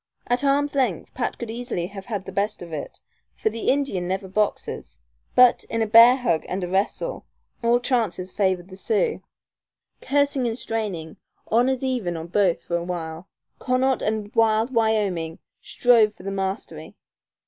At arms' length Pat could easily have had the best of it, for the Indian never boxes; but, in a bear hug and a wrestle, all chances favored the Sioux. Cursing and straining, honors even on both for a while, Connaught and wild Wyoming strove for the mastery.